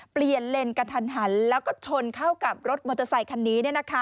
เปลี่ยนเลนกระทันหันแล้วก็ชนเข้ากับรถมอเตอร์ไซคันนี้